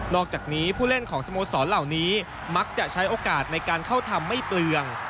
อกจากนี้ผู้เล่นของสโมสรเหล่านี้มักจะใช้โอกาสในการเข้าทำไม่เปลือง